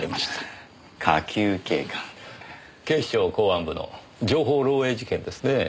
警視庁公安部の情報漏えい事件ですねぇ。